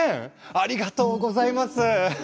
ありがとうございます！